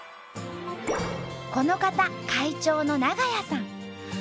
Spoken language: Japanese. この方会長の長屋さん。